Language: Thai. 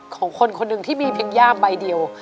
ของคนคนหนึ่งที่มีเพียงย่ามใบเดียว